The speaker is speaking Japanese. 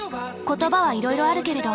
言葉はいろいろあるけれど。